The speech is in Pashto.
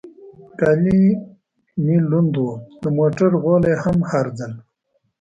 کالي مې لوند و، د موټر غولی هم هر ځل.